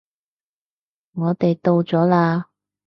我哋到咗喇